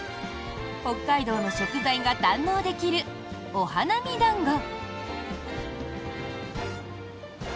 北海道の食材が堪能できるお花見団子。